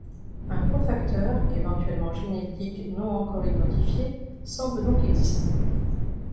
Un co-facteur, éventuellement génétique non encore identifié semble donc exister.